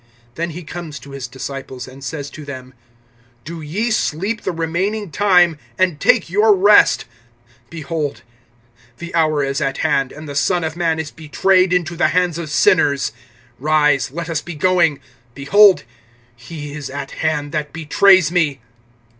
(45)Then he comes to his disciples, and says to them: Do ye sleep the remaining time, and take your rest[26:45]! Behold, the hour is at hand, and the Son of man is betrayed into the hands of sinners. (46)Rise, let us be going. Behold, he is at hand that betrays me.